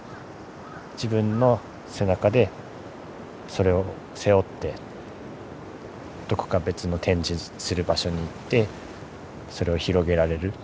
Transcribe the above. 自分の背中でそれを背負ってどこか別の展示する場所に行ってそれを広げられる。